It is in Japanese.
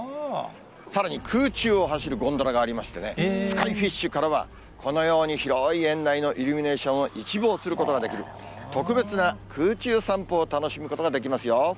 さらに空中を走るゴンドラがありまして、スカイフィッシュからは、このように広い園内のイルミネーションを一望することができる特別な空中散歩を楽しむことができますよ。